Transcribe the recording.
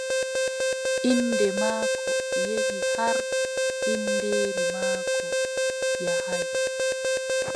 Innde maako yehi har inndeeri maako yahaay.